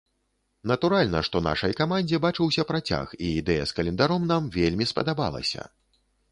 Натуральна, што нашай камандзе бачыўся працяг, і ідэя з календаром нам вельмі спадабалася.